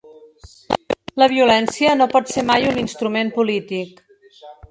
La violència no pot ser mai un instrument polític.